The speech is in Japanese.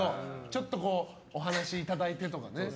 ちょっとお話をいただいてとか。